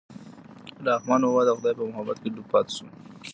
رحمان بابا د خدای په محبت کې ډوب پاتې شو.